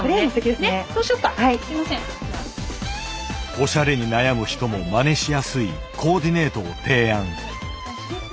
おしゃれに悩む人も真似しやすいコーディネートを提案。